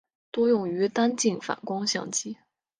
多用于单镜反光相机。